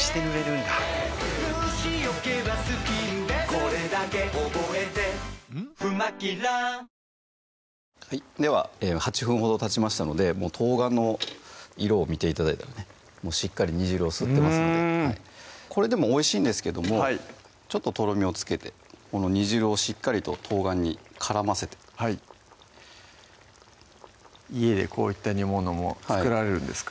ここから７８分煮ていきますのででは８分ほどたちましたのでもう冬瓜の色を見て頂いたらねもうしっかり煮汁を吸ってますのでこれでもおいしいんですけどもちょっととろみをつけてこの煮汁をしっかりと冬瓜に絡ませて家でこういった煮物も作られるんですか？